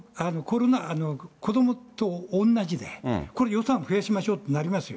子どもとおんなじで、これ、予算増やしましょうってなりますよ。